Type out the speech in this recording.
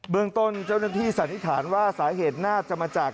เมืองต้นเจ้าหน้าที่สันนิษฐานว่าสาเหตุน่าจะมาจาก